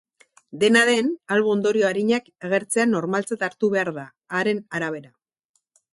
Dena den, albo-ondorio arinak agertzea normaltzat hartu behar da, haren arabera.